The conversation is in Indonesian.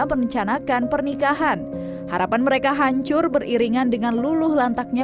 merencanakan pernikahan harapan mereka hancur beriringan dengan luluh lantaknya